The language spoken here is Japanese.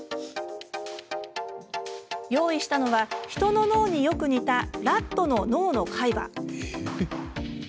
用意したのは、人の脳によく似たラットの脳の海馬。